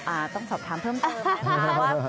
อ่าต้องสอบถามเพิ่มเติม